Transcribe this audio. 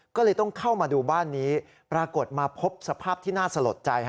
ก็เลยต้องเข้ามาดูบ้านนี้ปรากฏมาพบสภาพที่น่าสลดใจ